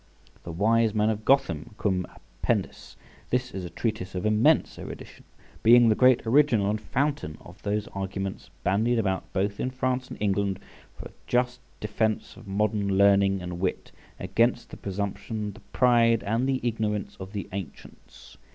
The "Wise Men of Gotham," cum Appendice. This is a treatise of immense erudition, being the great original and fountain of those arguments bandied about both in France and England, for a just defence of modern learning and wit, against the presumption, the pride, and the ignorance of the ancients.